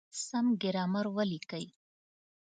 سم ګرامر وليکئ!.